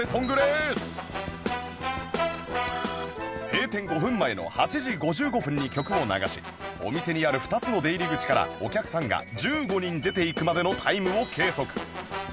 閉店５分前の８時５５分に曲を流しお店にある２つの出入り口からお客さんが１５人出ていくまでのタイムを計測